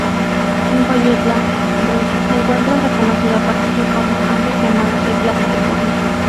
En coyutla, Ver se encuentra el reconocido Parque Reforma antes llamado el Plaza Reforma.